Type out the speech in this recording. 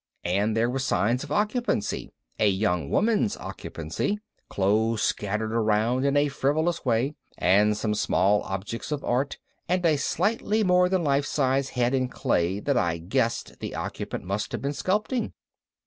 And there were signs of occupancy, a young woman's occupancy clothes scattered around in a frivolous way, and some small objects of art, and a slightly more than life size head in clay that I guessed the occupant must have been sculpting.